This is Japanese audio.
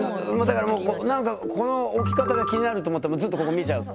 だからなんかこの置き方が気になると思ったらずっとここ見ちゃう。